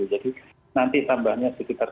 jadi nanti tambahnya sekitar